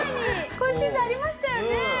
こういう地図ありましたよね。